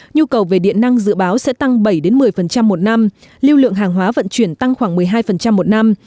nhu cầu về điện năng dự báo sẽ tăng bảy một mươi một năm lưu lượng hàng hóa vận chuyển tăng khoảng một mươi hai một năm